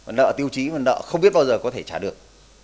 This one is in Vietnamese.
nợ tiêu chí mà nợ không biết bao giờ có thể trả được